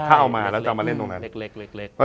ถ้าเอามาแล้วจะเอามาเล่นตรงนั้นเล็ก